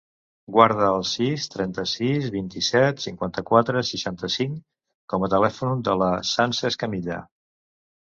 Guarda el sis, trenta-sis, vint-i-set, cinquanta-quatre, seixanta-cinc com a telèfon de la Sança Escamilla.